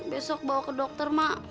besok bawa ke dokter mak